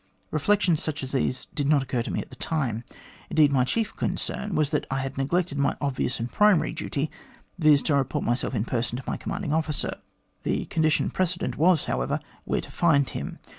Reflections such as these did not occur to me at the time. Indeed, my chief concern was that I had neglected my obvious and primary duty, viz. to report myself in person to my commanding officer. The condition precedent was, however, where to find him.